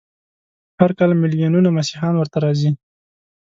هر کال ملیونونه مسیحیان ورته راځي.